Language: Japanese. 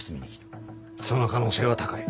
その可能性は高い。